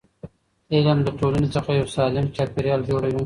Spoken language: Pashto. علم د ټولنې څخه یو سالم چاپېریال جوړوي.